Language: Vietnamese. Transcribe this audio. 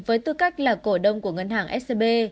với tư cách là cổ đông của ngân hàng scb